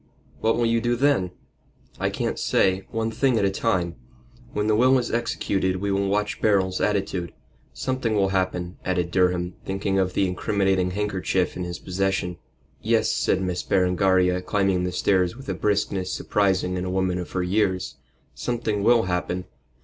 "What will you do then?" "I can't say. One thing at a time. When the will is executed we will watch Beryl's attitude. Something will happen," added Durham, thinking of the incriminating handkerchief in his possession. "Yes," said Miss Berengaria, climbing the stairs with a briskness surprising in a woman of her years, "something will happen.